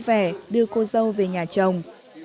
trước khi cô dâu về nhà chồng